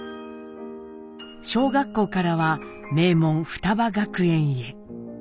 小学校からは名門雙葉学園へ。